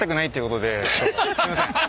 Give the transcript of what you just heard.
すいません。